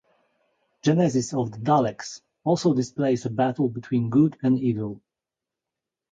"Genesis of the Daleks" also displays a battle between good and evil.